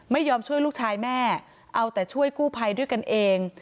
ไม่ยอมช่วยลูกชายแม่เอาแต่ช่วยกู้ภัยด้วยกันเอง